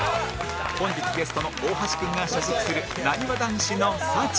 本日ゲストの大橋君が所属するなにわ男子の『サチアレ』